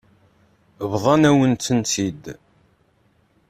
Bḍan-awen-tent-id.